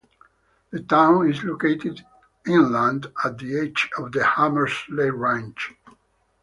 The town is located inland, at the edge of the Hamersley Range.